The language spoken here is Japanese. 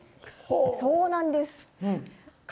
そうなんです。